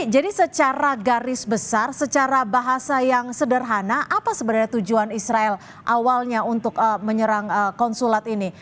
jadi secara garis besar secara bahasa yang sederhana apa sebenarnya tujuan israel awalnya untuk menyerang konsulat ini